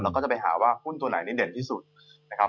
ก็จะไปหาว่าหุ้นตัวไหนนี่เด่นที่สุดนะครับ